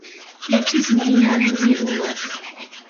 ერთვის მდინარე ძირულას.